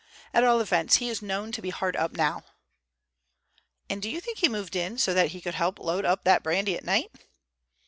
At all events he is known to be hard up now." "And you think he moved in so that he could load up that brandy at night?"